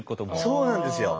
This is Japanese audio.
そうなんですよ。